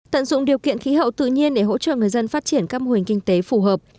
tận dụng điều kiện khí hậu tự nhiên để hỗ trợ người dân phát triển các mô hình kinh tế phù hợp